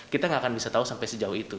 kita nggak akan bisa tahu sampai sejauh itu